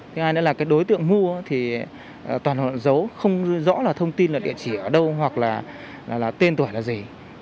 thứ hai nữa là đối tượng mua thì toàn dấu không rõ là thông tin là địa chỉ ở đâu hoặc là tên tuổi là gì